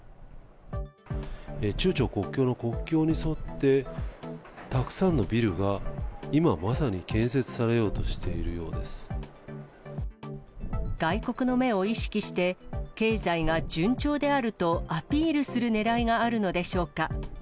中朝国境の国境に沿って、たくさんのビルが今、まさに建設外国の目を意識して、経済が順調であるとアピールするねらいがあるのでしょうか。